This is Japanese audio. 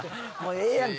ええやん！